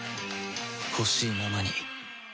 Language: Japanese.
ほしいままに